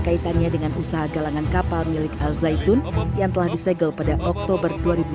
kaitannya dengan usaha galangan kapal milik al zaitun yang telah disegel pada oktober dua ribu dua puluh